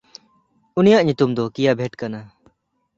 ᱩᱱᱤᱭᱟᱜ ᱧᱩᱛᱩᱢ ᱫᱚ ᱠᱤᱭᱟᱵᱮᱴᱷ ᱠᱟᱱᱟ᱾